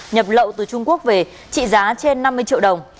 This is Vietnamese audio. nhập lậu từ trung quốc về trị giá trên năm mươi triệu đồng